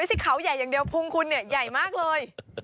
ไม่ใช่เขาใหญ่อย่างเดียวพุงคุณเนี่ยใหญ่มากเลย